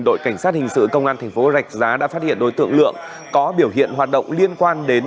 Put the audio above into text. đội cảnh sát hình sự công an thành phố rạch giá đã phát hiện đối tượng lượng có biểu hiện hoạt động liên quan đến